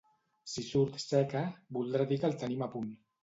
Si surt seca, voldrà dir que el tenim a punt.